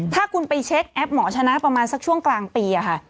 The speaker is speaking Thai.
ถ้าคุณไปเช็คแอปหมอชนะประมาณสักช่วงกลางปีค่ะ